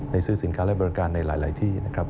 ซื้อสินค้าและบริการในหลายที่นะครับ